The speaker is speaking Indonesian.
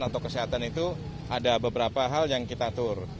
atau kesehatan itu ada beberapa hal yang kita atur